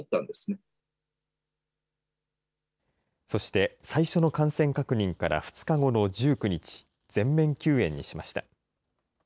そして、最初の感染確認から２日後の１９日、全面休園にしました。